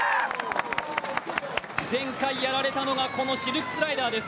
前回やられたのが、このシルクスライダーです。